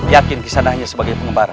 yakin kisana hanya sebagai pengembara